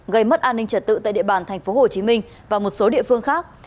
gây mất an ninh trật tự tại địa bàn tp hcm và một số địa phương khác